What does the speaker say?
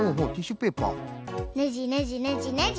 ねじねじねじねじ。